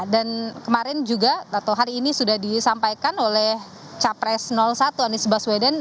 dan kemarin juga atau hari ini sudah disampaikan oleh capres satu anies baswedan